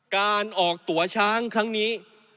การออกตัวช้างครั้งนี้